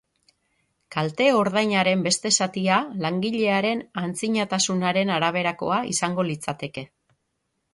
Kalte-ordainaren beste zatia langilearen antzinatasunaren araberakoa izango litzateke.